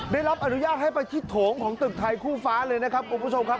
ได้รับอนุญาตให้ไปที่โถงของตึกไทยคู่ฟ้าเลยนะครับคุณผู้ชมครับ